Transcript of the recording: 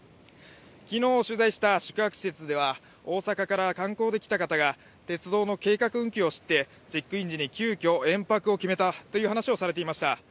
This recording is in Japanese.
昨日、取材した宿泊施設では大阪から観光で来た方は、鉄道の計画運休を知って、チェックイン時に急きょ連泊を決めたという話をしていました。